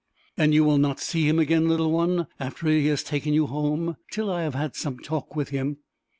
"And you will not see him again, little one, after he has taken you home, till I have had some talk with him?"